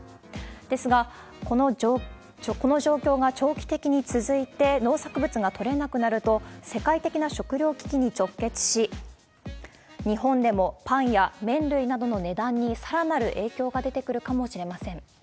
ですが、この状況が長期的に続いて、農作物が取れなくなると、世界的な食糧危機に直結し、日本でもパンや麺類などの値段にさらなる影響が出てくるかもしれません。